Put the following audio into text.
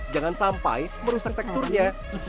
jangan sampai merusak teksturnya